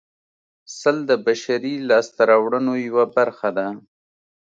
سل د بشري لاسته راوړنو یوه برخه ده